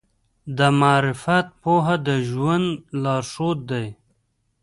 د معرفت پوهه د ژوند لارښود دی.